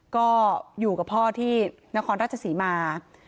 ก็อยู่กับพ่อที่นครราชศรีมา